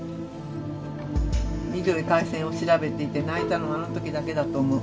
ミッドウェー海戦を調べていて泣いたのはあの時だけだと思う。